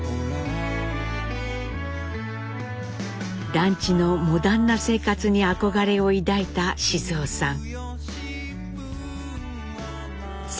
団地のモダンな生活に憧れを抱いた雄さん。